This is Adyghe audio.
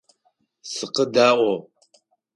Сыкъэдаӏо!